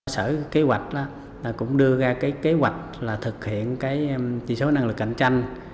sở kế hoạch cũng đưa ra cái kế hoạch thực hiện chỉ số năng lực cạnh tranh